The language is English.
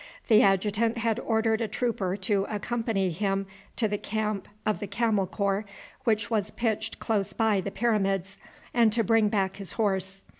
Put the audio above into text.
The adjutant had ordered a trooper to accompany him to the camp of the Camel Corps, which was pitched close by the Pyramids, and to bring back his horse.